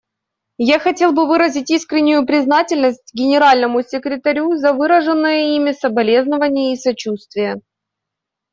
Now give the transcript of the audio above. Я хотел бы выразить искреннюю признательность Генеральному секретарю за выраженные им соболезнования и сочувствие.